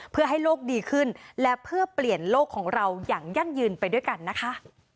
เพื่อให้โลกดีขึ้นและเพื่อเปลี่ยนโลกของเราอย่างยั่งยืนไปด้วยกันนะคะ